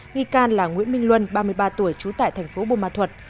nghi can là nguyễn minh luân ba mươi ba tuổi trú tại thành phố bùa ma thuật